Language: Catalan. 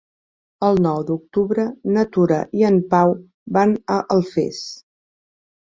El nou d'octubre na Tura i en Pau van a Alfés.